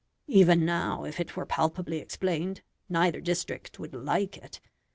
Even now, if it were palpably explained, neither district would like it.